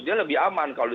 dia lebih aman